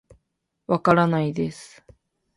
わからないです